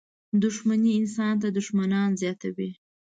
• دښمني انسان ته دښمنان زیاتوي.